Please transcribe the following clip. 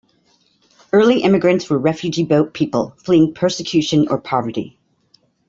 Early immigrants were refugee boat people, fleeing persecution or poverty.